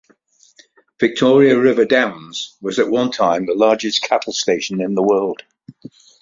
Victoria River Downs was at one time the largest cattle station in the world.